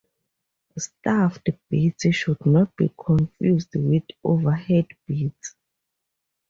Stuffed bits should not be confused with overhead bits.